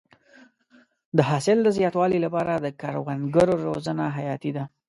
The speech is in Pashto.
د حاصل د زیاتوالي لپاره د کروندګرو روزنه حیاتي ده.